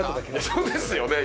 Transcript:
そうですよね。